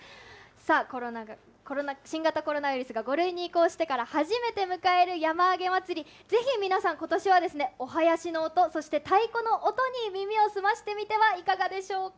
さあ、新型コロナウイルスが５類に移行してから初めて迎える山あげ祭、ぜひ皆さん、ことしはお囃子の音、そして太鼓の音に耳を澄ましてみてはいかがでしょうか。